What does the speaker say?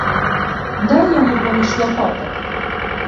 Дай яму паміж лапатак!